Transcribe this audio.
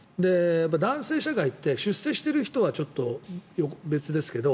男性社会って出世してる人は別ですけど